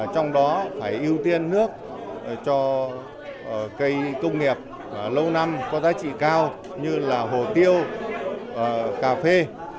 trong đó phải ưu tiên nước cho cây công nghiệp lâu năm có giá trị cao như là hồ tiêu cà phê